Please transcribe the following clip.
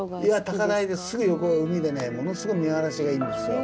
高台ですぐ横が海でねものすごい見晴らしがいいんですよ。